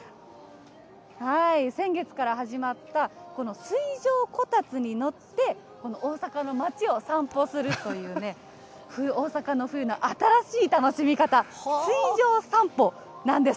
先月から始まった、この水上こたつに乗って、この大阪の街を散歩するというね、大阪の冬の新しい楽しみ方、水上散歩なんです。